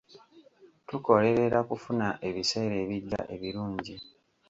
Tukolerera kufuna ebiseera ebijja ebirungi.